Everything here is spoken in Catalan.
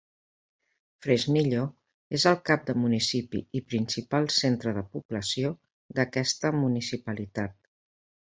Fresnillo és el cap de municipi i principal centre de població d'aquesta municipalitat.